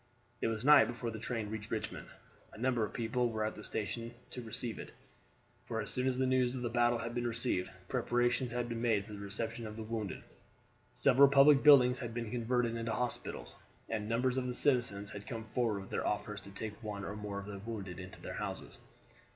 It was night before the train reached Richmond. A number of people were at the station to receive it; for as soon as the news of the battle had been received, preparations had been made for the reception of the wounded, several public buildings had been converted into hospitals, and numbers of the citizens had come forward with offers to take one or more of the wounded into their houses.